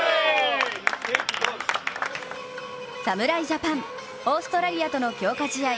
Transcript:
侍ジャパン、オーストラリアとの強化試合